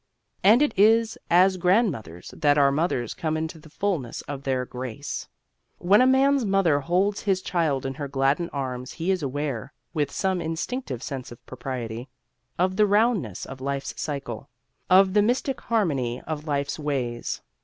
And it is as grandmothers that our mothers come into the fullness of their grace. When a man's mother holds his child in her gladdened arms he is aware (with some instinctive sense of propriety) of the roundness of life's cycle; of the mystic harmony of life's ways.